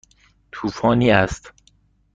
طوفانی است.